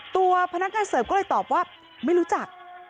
ตัวพนักงานเสิร์ฟก็เลยตอบว่าไม่รู้จัก